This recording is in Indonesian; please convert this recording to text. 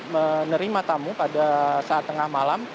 menerima tamu pada saat tengah malam